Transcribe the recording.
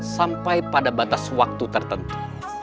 sampai pada batas waktu tertentu